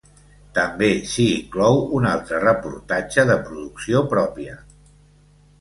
També s'hi inclou un altre reportatge de producció pròpia.